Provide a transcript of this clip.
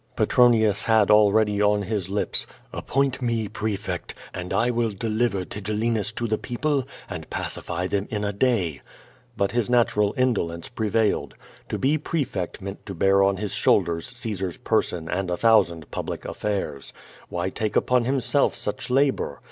Petronius had already on his lips, "Appoint me prefect, and I will deliver Tigellinus to the people and pacify them in a day,'' but his natural indolence prevailed. To be prefect meant to bear on his shoulders Caesar's person and a thou sand public affairs. Wliy take upon himself such labor?